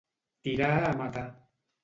Tirar a matar.